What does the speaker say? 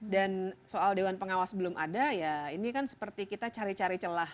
dan soal dewan pengawas belum ada ini kan seperti kita cari cari celah